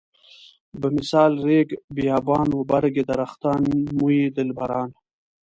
بمثال ريګ بيابان و برګ درختان موی دلبران.